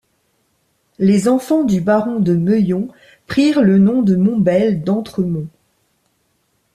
Les enfants du baron de Meuillon prirent le nom de Montbel d'Entremont.